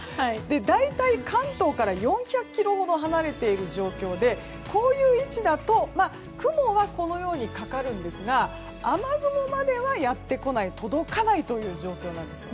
大体、関東から４００ｋｍほど離れている状況でこういう位置だと雲はかかるんですが雨雲までは、やってこない届かない状況です。